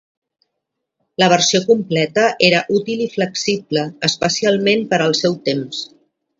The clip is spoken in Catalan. La versió completa era útil i flexible, especialment per al seu temps.